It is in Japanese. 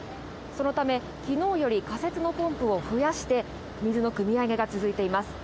そのため昨日より仮設のポンプを増やして水のくみ上げが続いています